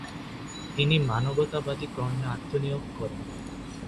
তিনি মানবতাবাদী কর্মে আত্মনিয়োগ করেন।